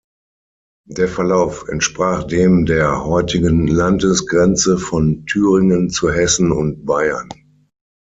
Der Verlauf entsprach dem der heutigen Landesgrenze von Thüringen zu Hessen und Bayern.